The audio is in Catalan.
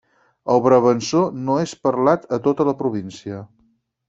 El brabançó no és parlat a tota la província.